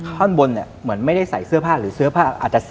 ธ่อนบนเหมือนไม่ได้ใส่เสื้อผ้า